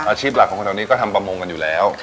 อาชีพหลักของคนแถวนี้ก็ทำประมงกันอยู่แล้ว